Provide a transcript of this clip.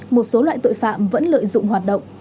một số loại tội phạm vẫn lợi dụng hoạt động